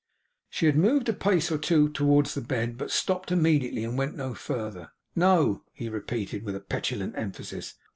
She had moved a pace or two towards the bed, but stopped immediately, and went no farther. 'No,' he repeated, with a petulant emphasis.